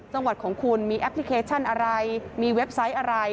จังหวัดของคุณมีแอปพลิเคชันอะไรมีเว็บไซต์อะไร